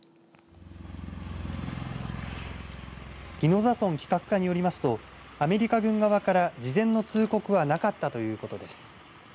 宜野座村企画課によりますとアメリカ軍側から事前の通告はなかったということです。